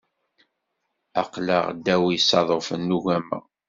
Aql-aɣ ddaw yisaḍufen n ugama.